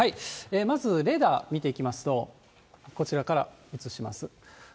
まずレーダー見ていきますと、こちらから映します。